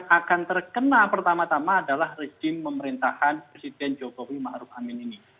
yang akan terkena pertama tama adalah rezim pemerintahan presiden jokowi ma'ruf amin ini